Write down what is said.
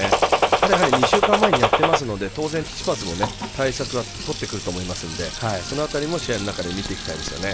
ただ、２週間前にやってますので当然、チチパスも対策はとってくると思いますんでその辺りも試合の中で見ていきたいですね。